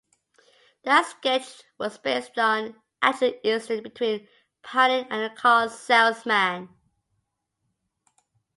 That sketch was based on an actual incident between Palin and a car salesman.